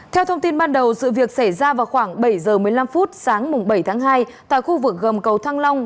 theo thông tin ban đầu sự việc xảy ra vào khoảng bảy giờ một mươi năm phút sáng bảy tháng hai tại khu vực gầm cầu thăng long